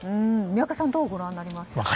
宮家さんどうご覧になりますか？